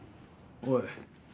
おい。